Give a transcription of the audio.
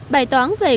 bài toán về quả